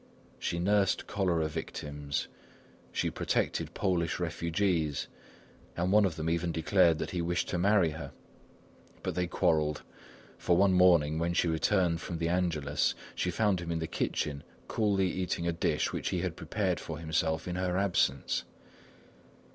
She nursed cholera victims. She protected Polish refugees, and one of them even declared that he wished to marry her. But they quarrelled, for one morning when she returned from the Angelus she found him in the kitchen coolly eating a dish which he had prepared for himself during her absence.